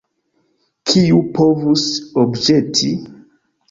Kiu povus obĵeti?